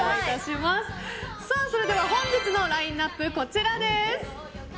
それでは本日のラインアップです。